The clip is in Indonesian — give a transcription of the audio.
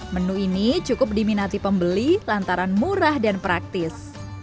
menu ini cukup diminati pembeli lantaran murah dan praktis